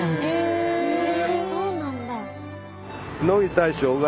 へえそうなんだ。